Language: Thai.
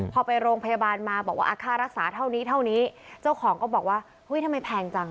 พอไปโรงพยาบาลมาบอกว่าค่ารักษาเท่านี้เท่านี้เจ้าของก็บอกว่าเฮ้ยทำไมแพงจัง